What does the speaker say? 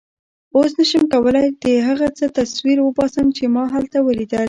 اوس نه شم کولای د هغه څه تصویر وباسم چې ما هلته ولیدل.